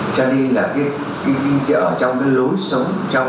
cho nên là ở trong cái lối sống trong cái sinh hoạt trong cái đạo đức của đồng chí phạm hùng